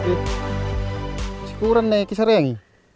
menurut my daughter dia merakit yang satu